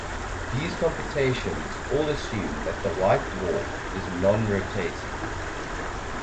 These computations all assume that the white dwarf is non-rotating.